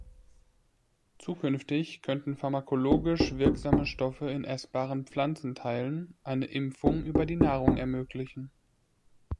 Zukünftig könnten pharmakologisch wirksame Stoffe in essbaren Pflanzenteilen eine Impfung über die Nahrung ermöglichen.